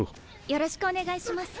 よろしくお願いします。